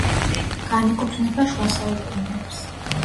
განეკუთნება შუა საუკუნეებს.